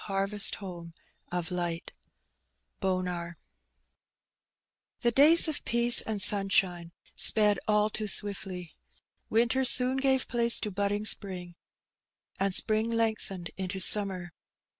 barrest home of light ^:±^ HE days of peace and Banabine sped all too swiftly. Winter Boon gave place to bodding spring, and spring lengthened into summer.